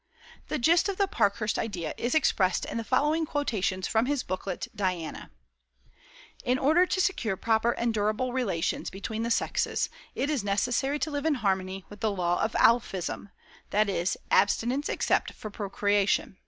The gist of the Parkhurst idea is expressed in the following quotations from his booklet, "Diana": "In order to secure proper and durable relations between the sexes, it is necessary to live in harmony with the law of Alphism, that is ABSTINENCE EXCEPT FOR PROCREATION.